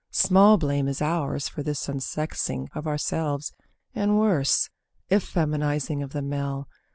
Small blame is ours For this unsexing of ourselves, and worse. Effeminising of the male.